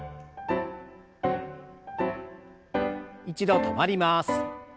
一度止まります。